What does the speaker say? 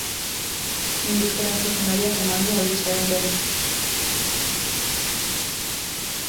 Indusketen zuzendariak eman du albistearen berri.